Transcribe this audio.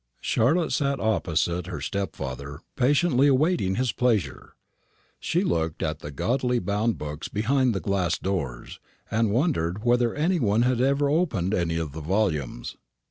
Charlotte sat opposite her stepfather, patiently awaiting his pleasure. She looked at the gaudily bound books behind the glass doors, and wondered whether any one had ever opened any of the volumes.